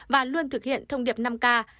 và luôn thực hiện thông điệp năm k